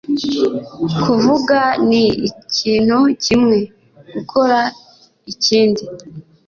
kuvuga ni ikintu kimwe; gukora ikindi